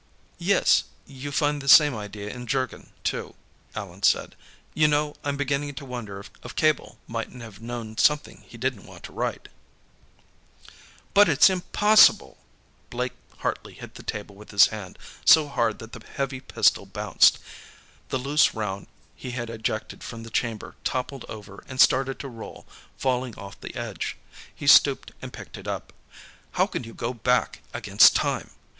"Yes. You find the same idea in 'Jurgen' too," Allan said. "You know, I'm beginning to wonder if Cabell mightn't have known something he didn't want to write." "But it's impossible!" Blake Hartley hit the table with his hand, so hard that the heavy pistol bounced. The loose round he had ejected from the chamber toppled over and started to roll, falling off the edge. He stooped and picked it up. "How can you go back, against time?